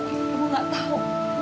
ibu tidak tahu